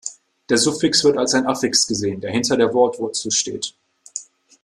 Der Suffix wird als ein Affix gesehen, der hinter der Wortwurzel steht.